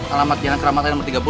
alamat jalan keramatan nomor tiga puluh